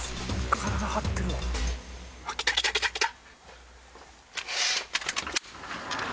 「体張ってるわ」来た来た来た来た！